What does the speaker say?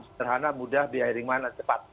sederhana mudah biaya ringan dan cepat